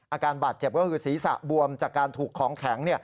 อาการบาดเจ็บก็คือศีรษะบวมจากการถูกของแข็ง